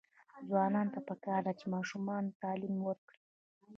ځوانانو ته پکار ده چې، ماشومانو تعلیم ورکړي.